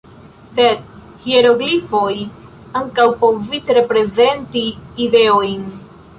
Sed hieroglifoj ankaŭ povis reprezenti "ideojn".